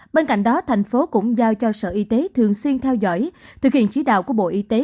bên cạnh đó thành phố cũng giao cho sở y tế thường xuyên theo dõi thực hiện chỉ đạo của bộ y tế